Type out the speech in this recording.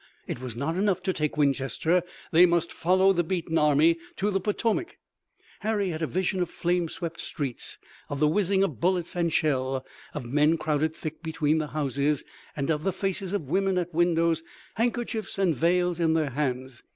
It was not enough to take Winchester. They must follow the beaten army to the Potomac. Harry had a vision of flame swept streets, of the whizzing of bullets and shell, of men crowded thick between the houses, and of the faces of women at windows, handkerchiefs and veils in their hands.